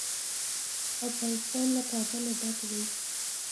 افغانستان له کابل ډک دی.